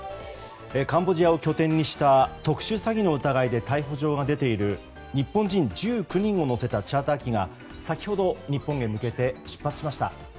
カンボジアを拠点とした特殊詐欺の疑いで逮捕状が出ている日本人１９人を乗せたチャーター機が先ほど日本へ向けて出発しました。